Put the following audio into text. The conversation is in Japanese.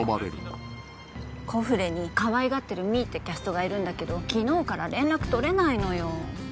コフレにかわいがってる美依ってキャストがいるんだけど昨日から連絡取れないのよ。